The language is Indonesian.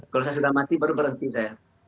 kalau saya sudah mati baru berhenti saya